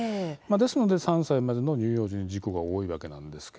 ですので３歳までの乳幼児の事故が多いわけです。